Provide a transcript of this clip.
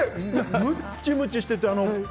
むっちむちしてて。